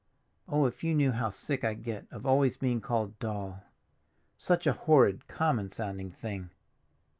Oh, if you knew how sick I get of always being called Doll! Such a horrid, common sounding thing!"